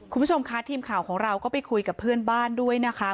คุณผู้ชมค่ะทีมข่าวของเราก็ไปคุยกับเพื่อนบ้านด้วยนะคะ